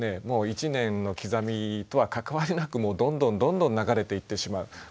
もう一年の刻みとは関わりなくもうどんどんどんどん流れていってしまう。